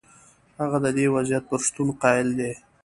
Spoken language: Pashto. هغه د دې وضعیت پر شتون قایل دی.